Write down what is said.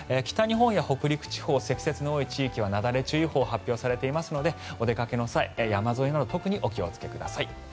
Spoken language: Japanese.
北日本や北陸地方積雪が多い地域は雪崩注意報が発表されていますのでお出かけの際山沿いなど特にお気をつけください。